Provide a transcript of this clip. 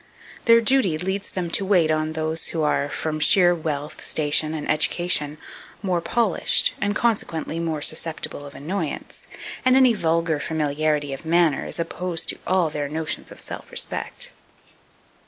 Their duty leads them to wait on those who are, from sheer wealth, station, and education, more polished, and consequently more susceptible of annoyance; and any vulgar familiarity of manner is opposed to all their notions of self respect.